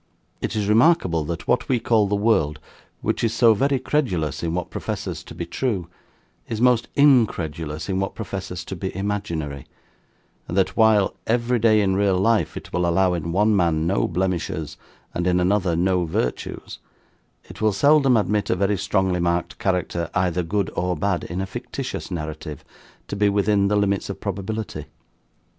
It is remarkable that what we call the world, which is so very credulous in what professes to be true, is most incredulous in what professes to be imaginary; and that, while, every day in real life, it will allow in one man no blemishes, and in another no virtues, it will seldom admit a very strongly marked character, either good or bad, in a fictitious narrative, to be within the limits of probability.